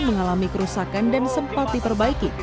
mengalami kerusakan dan sempat diperbaiki